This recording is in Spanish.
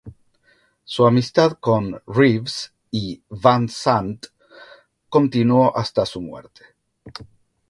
Su amistad con Reeves y Van Sant continuó hasta su muerte.